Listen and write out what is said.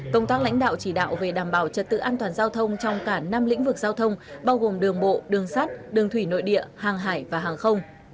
công tác lãnh đạo chỉ đạo về đảm bảo trật tự an toàn giao thông trong cả năm lĩnh vực giao thông bao gồm đường bộ đường sắt đường thủy nội địa hàng hải và hàng không